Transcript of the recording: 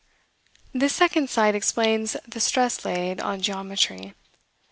This second sight explains the stress laid on geometry.